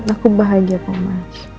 aku bahagia pak mas